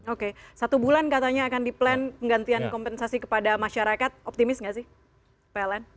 oke satu bulan katanya akan di plan penggantian kompensasi kepada masyarakat optimis nggak sih pln